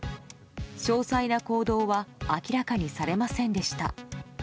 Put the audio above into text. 詳細な行動は明らかにされませんでした。